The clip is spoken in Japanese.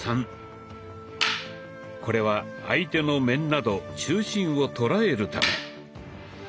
これは相手の面など中心を捉えるため。